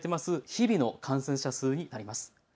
日々の感染者数になります。